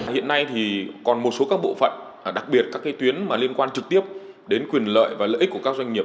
hiện nay thì còn một số các bộ phận đặc biệt các tuyến liên quan trực tiếp đến quyền lợi và lợi ích của các doanh nghiệp